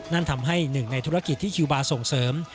นั่นทำให้หนึ่งในธุรกิจที่คิวบาร์ส่งเสริม